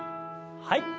はい。